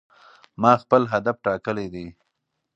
ما خپل هدف ټاکلی دی.